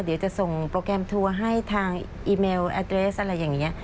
เดี๋ยวจะส่งโปรแกรมทัวร์ให้ทางอีเมลแอดเรสอะไรอย่างนี้